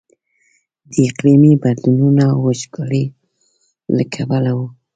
د اقلیمي بدلونونو او وچکاليو له کبله و.